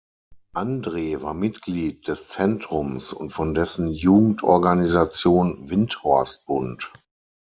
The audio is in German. Andre war Mitglied des Zentrums und von dessen Jugendorganisation Windthorstbund.